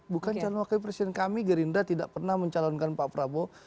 bukan calon wakil presiden kami gerindra tidak pernah mencalonkan pak prabowo